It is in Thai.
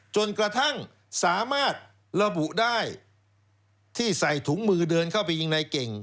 จนกระทั่งสามารถระบุได้ที่ใส่ถุงมือเดินเข้าไปยิงในเก่ง